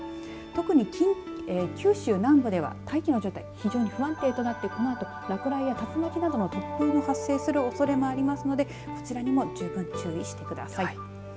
特に九州南部では大気の状態非常に不安定となってこのあと落雷や竜巻などの突風が発生するおそれもありますのでこちらにも十分注意してください。